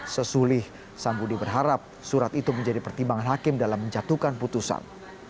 sesulih sambudi berharap surat itu menjadi pertimbangan hakim dalam menjatuhkan putusan